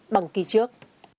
bằng kỳ trước